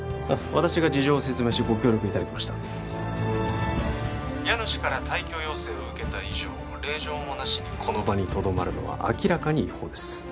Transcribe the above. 私が事情を説明しご協力いただきました家主から退去要請をうけた以上令状もなしにこの場にとどまるのは明らかに違法です